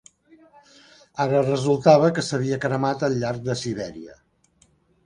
Ara resultava que s'havia cremat al llarg de Sibèria.